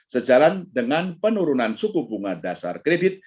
sejalan dengan penurunan suku bunga dasar kredit